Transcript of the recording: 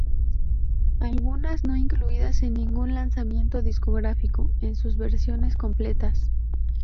Algunas no incluidas en ningún lanzamiento discográfico en sus versiones completas.